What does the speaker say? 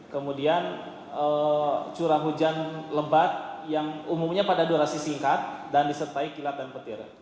kemudian curah hujan lebat yang umumnya pada durasi singkat dan disertai kilat dan petir